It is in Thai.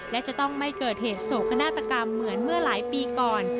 และจะต้องไม่เกิดเหตุโศกนาฏกรรมเหมือนเมื่อหลายปีก่อน